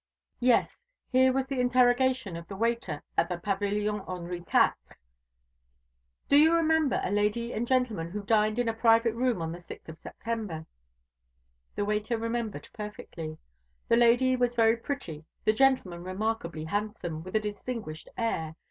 Yes, here was the interrogation of the waiter at the Pavilion Henri Quatre. "Do you remember a lady and gentleman who dined in a private room on the 6th of September?" The waiter remembered perfectly. The lady was very pretty, the gentleman remarkably handsome, and with a distinguished air.